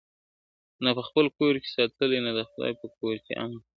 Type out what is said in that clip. نه په خپل کور کي ساتلي نه د خدای په کور کي امن ..